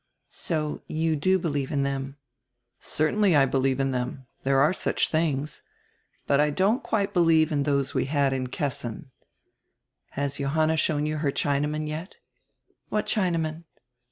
"So you do believe in them?" "Certainly I believe in them. There are such tilings. But I don't quite believe in those we had in Kessin. Has Johanna shown you her Chinaman yet?" "What Chinaman?